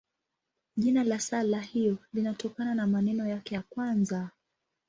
Jina la sala hiyo linatokana na maneno yake ya kwanza.